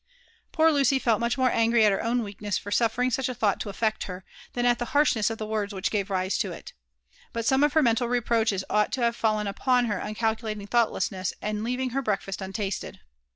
Poor Lucy felt much more angry at her own weakness for suffering such a thought to affect her, than at the harshness of the words which gave rise to it. But some of her mental reproaches ought to have JONATHAN JEFFERSON WHITLAW. 1S9 fallen upon her uncalculaling thoughtlessness in leaving her breakfast untasled.